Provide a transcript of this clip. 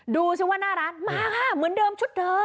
ดูสิว่าหน้าร้านมาค่ะเหมือนเดิมชุดเดิม